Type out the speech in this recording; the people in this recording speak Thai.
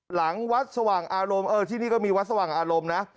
หลังวัดสว่างอารมณ์ที่นี่ก็มีวัดสว่างอารมณ์นะ